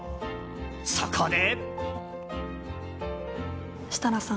そこで。